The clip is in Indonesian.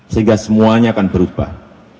sehingga semuanya akan berubah